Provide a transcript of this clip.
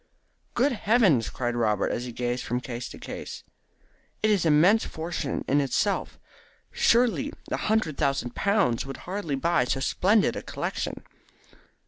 "Good heavens!" cried Robert, as he gazed from case to case. "It is an immense fortune in itself. Surely a hundred thousand pounds would hardly buy so splendid a collection."